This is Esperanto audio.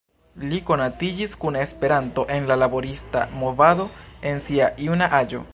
Li konatiĝis kun Esperanto en la laborista movado en sia juna aĝo.